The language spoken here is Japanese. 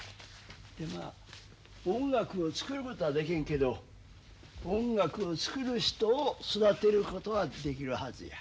まあ音楽を作ることはできんけど音楽を作る人を育てることはできるはずや。